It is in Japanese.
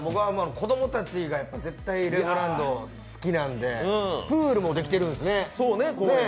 子どもたちが絶対レゴランド好きなんで、プールもできてるんですね。